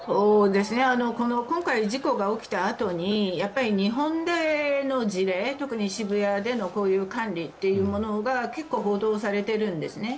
今回、事故が起きたあとに日本での事例、特に渋谷でのこういう管理というものが結構報道されているんですね。